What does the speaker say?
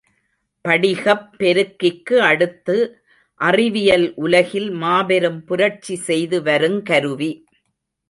படிகப் பெருக்கிக்கு அடுத்து அறிவியல் உலகில் மாபெரும் புரட்சி செய்து வருங்கருவி.